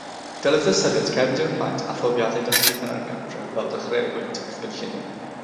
Dylid ystyried cefndir plant a phrofiadau dysgu cynnar gartref fel dechreubwynt wrth gynllunio.